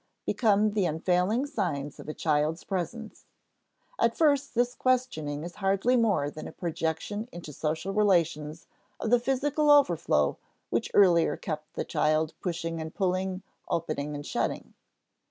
become the unfailing signs of a child's presence. At first this questioning is hardly more than a projection into social relations of the physical overflow which earlier kept the child pushing and pulling, opening and shutting.